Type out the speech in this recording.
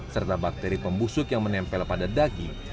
serta bakteri pembusuk yang menempel pada daging